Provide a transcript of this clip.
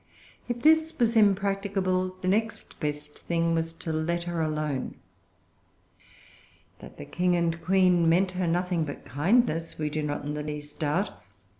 If this was impracticable, the next best thing was to let her alone. That the King and Queen meant her nothing but kindness, we do not in the least doubt.